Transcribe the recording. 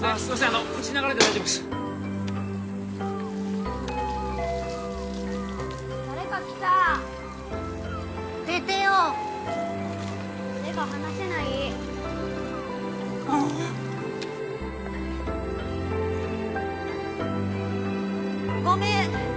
あの打ちながらで大丈夫です誰か来た出てよ手が離せないもうっごめん